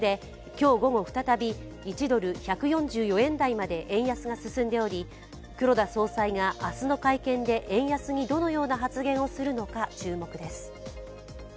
今日午後、再び１ドル＝１４４円台まで円安が進んでおり、黒田総裁が明日の会見で円安にどのような発言をするのか注目です。